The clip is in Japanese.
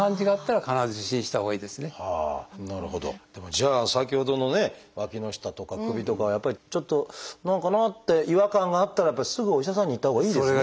じゃあ先ほどのねわきの下とか首とかはやっぱりちょっと何かなって違和感があったらやっぱりすぐお医者さんに行ったほうがいいですね。